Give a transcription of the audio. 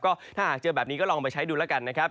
ก็ถ้าหากเจอแบบนี้ก็ลองไปใช้ดูแล้วกันนะครับ